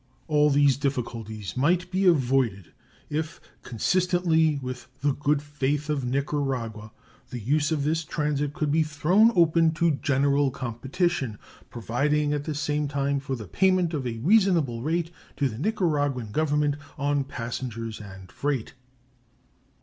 All these difficulties might be avoided if, consistently with the good faith of Nicaragua, the use of this transit could be thrown open to general competition, providing at the same time for the payment of a reasonable rate to the Nicaraguan Government on passengers and freight.